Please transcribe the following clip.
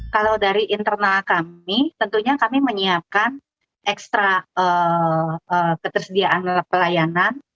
kalau dari internal kami tentunya kami menyiapkan ekstra ketersediaan pelayanan